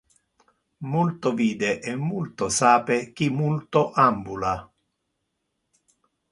Multo vide e multo sape qui multo ambula.